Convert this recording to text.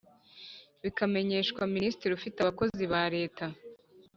bikamenyeshwa minisitiri ufite abakozi ba leta